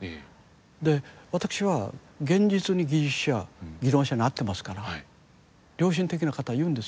で私は現実に技術者・技能者に会ってますから良心的な方が言うんです。